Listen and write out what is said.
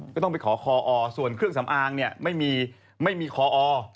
ก็ต้องไปขอคออส่วนเครื่องสำอางไม่มีคออ